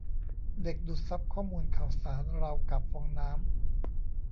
เด็กดูดซับข้อมูลข่าวสารราวกับฟองน้ำ